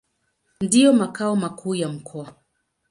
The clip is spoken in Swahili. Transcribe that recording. Ndio makao makuu ya mkoa.